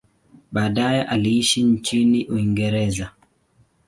Baadaye aliishi nchini Uingereza.